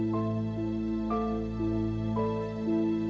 saya akan nembut